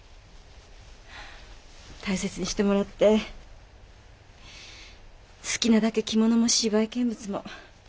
大切にしてもらって好きなだけ着物も芝居見物も。